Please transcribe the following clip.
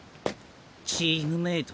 チームメート？